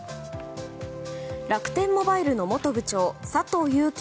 楽天モバイルの元部長佐藤友紀